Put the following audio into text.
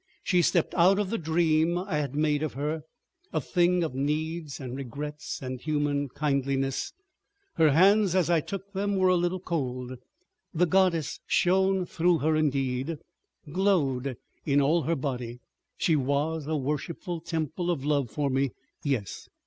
She stepped out of the dream I had made of her, a thing of needs and regrets and human kindliness. Her hands as I took them were a little cold. The goddess shone through her indeed, glowed in all her body, she was a worshipful temple of love for me—yes.